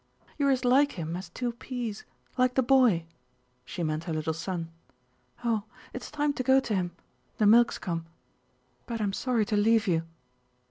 "You are as like him as two peas—like the boy." (She meant her little son.) "Oh, it's time to go to him.... The milk's come.... But I'm sorry to leave you."